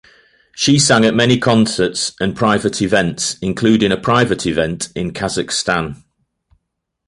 She sang at many concerts and private events, including a private event in Kazakhstan.